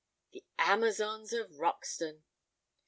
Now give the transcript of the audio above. "The Amazons of Roxton."